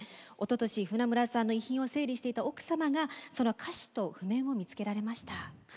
おととし船村さんの遺品を整理していた奥様が、その歌詞と譜面を見つけられました。